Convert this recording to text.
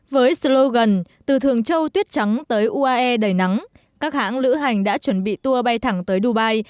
với slogan từ thường châu tuyết trắng tới uae đầy nắng các hãng lữ hành đã chuẩn bị tour bay thẳng tới dubai